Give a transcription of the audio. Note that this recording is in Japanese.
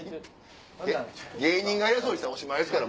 芸人が偉そうにしたらおしまいですから。